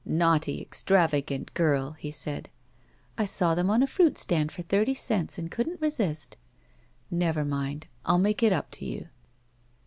Naughty, extravagant girl!" he said. I saw them on a fruit stand for thirty cents, and couldn't resist." ''Never mind; I'll make it up to you."